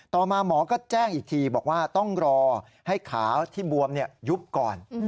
ต่อมาหมอก็แจ้งอีกทีบอกว่าต้องรอให้ขาที่บวมยุบก่อน